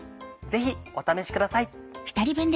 ぜひお試しください。